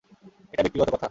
এটা ব্যক্তিগত কথা।